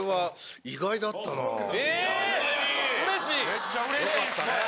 めっちゃうれしいですね。